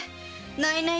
ないない